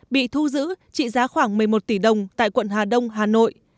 bị thu giữ trị giá khoảng một mươi một tỷ đồng tại quận hà đông hà nội